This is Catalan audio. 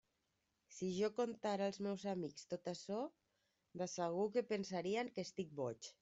Si jo contara als meus amics tot açò, de segur que pensarien que estic boig.